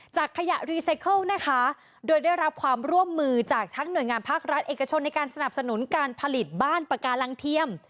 ขยะรีไซเคิลนะคะโดยได้รับความร่วมมือจากทั้งหน่วยงานภาครัฐเอกชนในการสนับสนุนการผลิตบ้านปากาลังเทียม